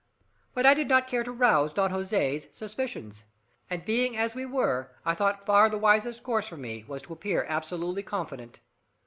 But I did not care to rouse Don Jose's suspicions, and being as we were, I thought far the wisest course for me was to appear absolutely confident.